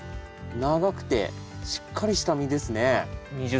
長くてしっかりした実ですね。